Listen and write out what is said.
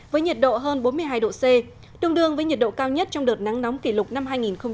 với nhiệt độ hơn bốn mươi hai độ c tương đương với nhiệt độ cao nhất trong đợt nắng nóng kỷ lục năm hai nghìn một mươi chín